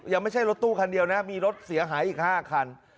ไม่ใช่รถตู้คันเดียวนะมีรถเสียหายอีก๕คัน